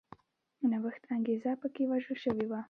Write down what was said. نوښت انګېزه په کې وژل شوې وه